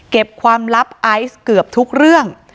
ความลับไอซ์เกือบทุกเรื่อง